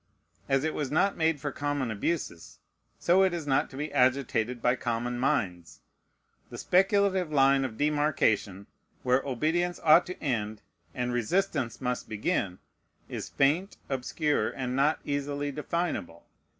As it was not made for common abuses, so it is not to be agitated by common minds. The speculative line of demarcation, where obedience ought to end and resistance must begin, is faint, obscure, and not easily definable.